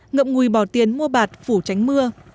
người bỏ tiền mua bạt phủ tránh mưa